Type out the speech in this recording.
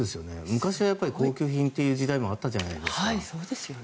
昔は高級品という時代もあったじゃないですか。